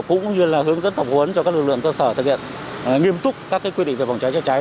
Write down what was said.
cũng như là hướng dẫn tập huấn cho các lực lượng cơ sở thực hiện nghiêm túc các quy định về phòng cháy chữa cháy